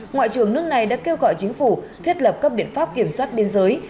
ngoại trưởng nước này đã kêu gọi chính phủ thiết lập các biện pháp kiểm soát biên giới